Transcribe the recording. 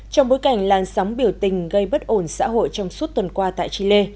trong bối cảnh làn sóng biểu tình gây bất ổn xã hội trong suốt tuần qua tại chile